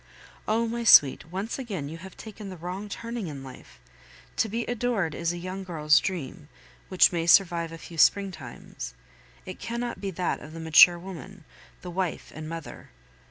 Oh! my sweet, once again you have taken the wrong turning in life. To be adored is a young girl's dream, which may survive a few springtimes; it cannot be that of the mature woman, the wife and mother.